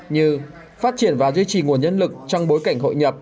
như phát triển và duy trì nguồn nhân lực trong bối cảnh hội nhập